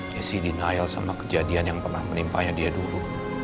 desi denial sama kejadian yang pernah menimpanya dia dulu